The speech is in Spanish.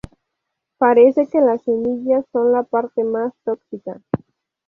Parece que las semillas son la parte más tóxica.